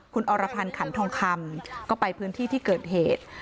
คุณอรพันธ์ขันทองคำก็ไปพื้นที่ที่เกิดเหตุ